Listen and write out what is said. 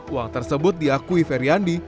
uang tersebut diakui feryandi